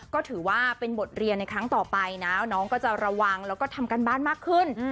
ก็ถือว่าเป็นบทเรียนในครั้งต่อไปนะน้องก็จะระวังแล้วก็ทำการบ้านมากขึ้น